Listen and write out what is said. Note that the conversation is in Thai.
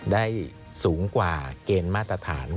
ได้สูงกว่าเกณฑ์มาตรฐาน